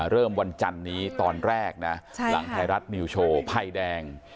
เริ่มวันจันนี้ตอนแรกนะหลังไทยรัฐนิวโชว์ภัยแดง